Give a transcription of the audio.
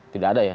tidak ada ya